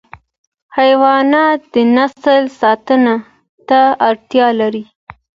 حیوانات د نسل ساتنه ته اړتیا لري.